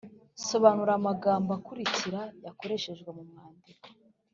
Sobanura amagambo akurikira yakoreshejwe mu mwandiko